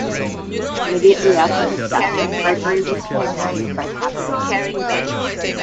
Immediately after his death, Gregory was canonized by popular acclaim.